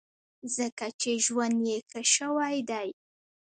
ځکه چې ژوند یې ښه شوی دی.